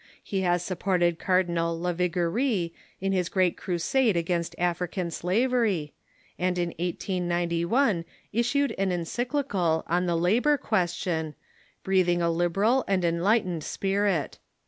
lie has supported Cardinal Lavigene in his great crusade against African slavery, and in 1891 issued an encyclical on the labor question, breathing a liberal and en lightened spirit.